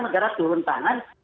negara turun tangan